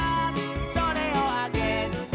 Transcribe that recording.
「それをあげるね」